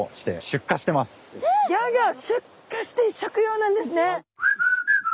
出荷して食用なんですね。